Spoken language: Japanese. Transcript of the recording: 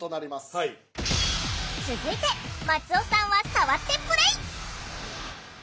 続いて松尾さんは触ってプレー。